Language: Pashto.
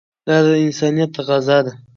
دا د انسانیت تقاضا ده.